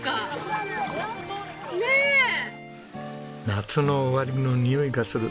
「夏の終わりのにおいがする」。